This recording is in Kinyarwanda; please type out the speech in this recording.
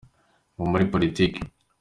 Va muri politiki